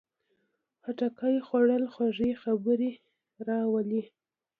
خټکی خوړل خوږې خبرې راولي.